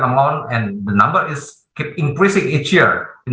dan jumlahnya terus meningkat setiap tahun